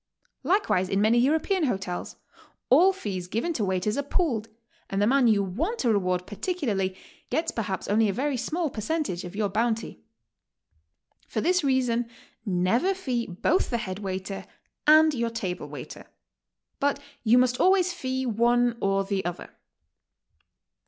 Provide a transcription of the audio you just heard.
Likewise in many Euro pean hotels all fees given to waiters are pooled, and the man you want to reward particularly, gets perhaps only a very small percentage of your bounty. For this reason, never fee both the head waiter and your table waiter. But you must always fee one or the Other.